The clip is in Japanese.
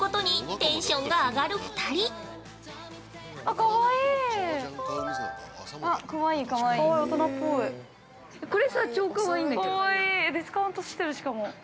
ディスカウントしてる、しかも。